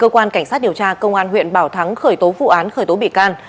cơ quan cảnh sát điều tra công an huyện bảo thắng khởi tố vụ án khởi tố bị can